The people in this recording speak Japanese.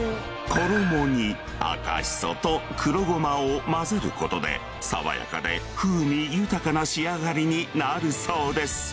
衣に赤しそと黒ゴマを混ぜることで爽やかで風味豊かな仕上がりになるそうです